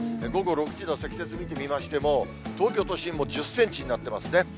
午後６時の積雪を見てみましても、東京都心も１０センチになってますね。